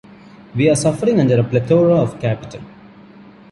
We are suffering under a plethora of capital.